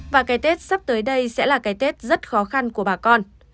và cái tết sắp tới đây sẽ là cái tết rất khó khăn của bà con